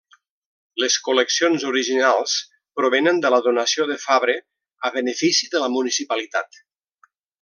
Les col·leccions originals provenen de la donació de Fabre a benefici de la municipalitat.